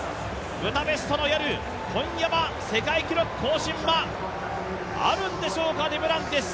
ブダペストの夜、今夜は世界記録更新はあるんでしょうかデュプランティス。